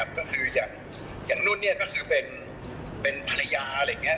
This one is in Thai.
ก็คืออย่างนุ่นก็คือเป็นภรรยาอะไรอย่างนี้